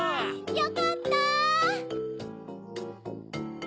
よかった！